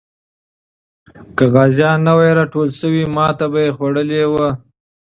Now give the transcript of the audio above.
که غازیان نه وای راټول سوي، ماتې به یې خوړلې وه.